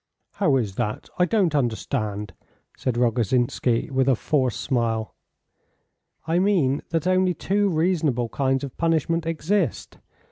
"How is that? I don't understand," said Rogozhinsky with a forced smile. "I mean that only two reasonable kinds of punishment exist.